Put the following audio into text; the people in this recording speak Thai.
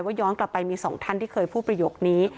ย้อนกลับไปมีสองท่านที่เคยพูดประโยคนี้